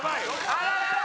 あららら。